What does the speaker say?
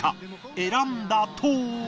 選んだ塔は。